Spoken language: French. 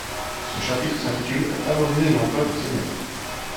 Ce chapitre s’intitule Favoriser l’emploi des seniors.